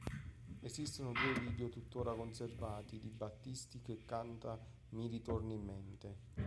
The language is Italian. Esistono due video tuttora conservati di Battisti che canta "Mi ritorni in mente".